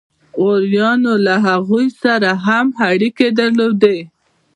غوریانو له هغوی سره هم اړیکې درلودې.